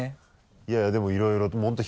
いやいやでもいろいろ本当